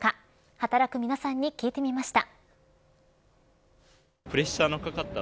働く皆さんに聞いてみました。